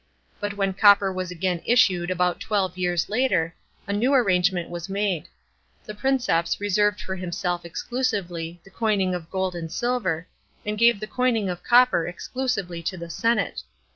But when copper was again issued about twelve years later, a new arrangement was made. '1 he Princeps reserved for himself exclusively the coining of gold and silver, and gave the coining of copper exclusively to the senate.